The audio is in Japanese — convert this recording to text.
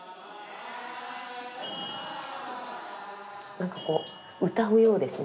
何かこう歌うようですね。